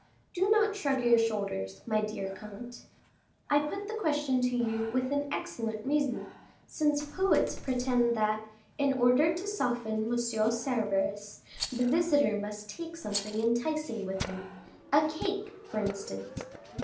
Do not shrug your shoulders, my dear comte: I put the question to you with an excellent reason, since poets pretend that, in order to soften Monsieur Cerberus, the visitor must take something enticing with him a cake, for instance.